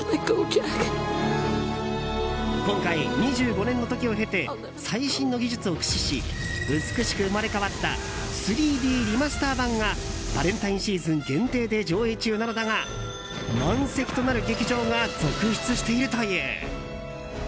今回、２５年の時を経て最新の技術を駆使し美しく生まれ変わった３Ｄリマスター版がバレンタインシーズン限定で上映中なのだが満席となる劇場が続出しているという。